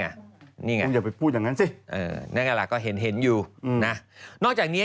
คุณอย่าไปพูดอย่างนั้นสิ